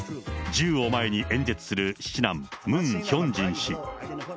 銃を前に演説する七男、ムン・ヒョンジン氏。